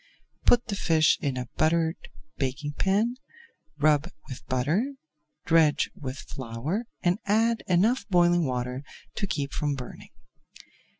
Put the fish in a buttered baking pan, rub with butter, dredge with flour, and add enough boiling water to keep from burning.